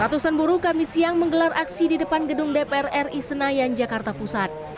ratusan buruh kami siang menggelar aksi di depan gedung dpr ri senayan jakarta pusat